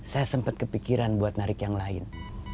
saya sempat kepikiran buat narik yang lain